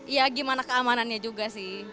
ya gimana keamanannya juga sih